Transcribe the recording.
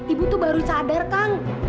ibu tuh baru sadar kang